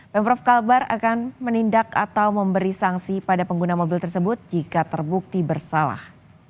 pemprov kalbar akan menindak atau memberi sanksi pada pengguna mobil tersebut jika terbukti bersalah